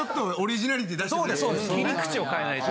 切り口を変えないと。